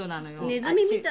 ネズミみたい。